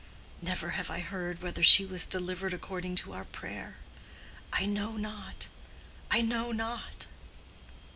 Never have I heard whether she was delivered according to our prayer. I know not, I know not.